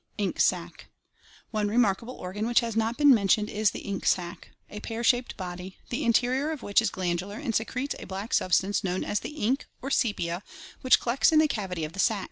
Ink sac. — One remarkable organ which has not been mentioned is the ink sac (see Fig. 103), a pear shaped body, the interior of which is glandular and secretes a black substance known as the ink or sepia which collects in the cavity of the sac.